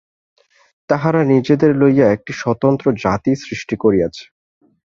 তাহারা নিজেদের লইয়া একটি স্বতন্ত্র জাতি সৃষ্টি করিয়াছে।